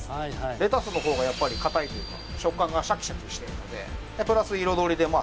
レタスの方がやっぱり硬いというか食感がシャキシャキしてるのでプラス彩りでまあ